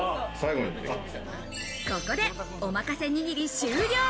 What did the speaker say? ここでお任せ握り終了。